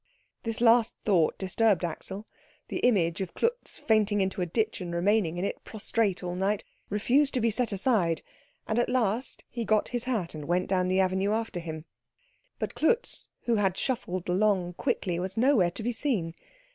This last thought disturbed Axel. The image of Klutz fainting into a ditch and remaining in it prostrate all night, refused to be set aside; and at last he got his hat and went down the avenue after him. But Klutz, who had shuffled along quickly, was nowhere to be seen.